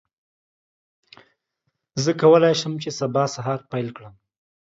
زه کولی شم چې سبا سهار پیل کړم.